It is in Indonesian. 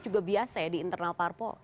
juga biasa ya di internal parpol